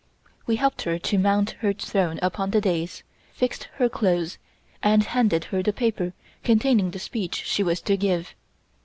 We helped her to mount her throne upon the dais, fixed her clothes, and handed her the paper containing the speech she was to give.